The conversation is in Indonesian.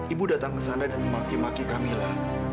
ibu datang ke sana dan memaki maki camillah